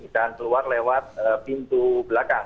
dan keluar lewat pintu belakang